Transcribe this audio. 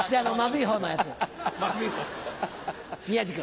宮治君。